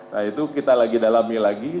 nah itu kita lagi dalami lagi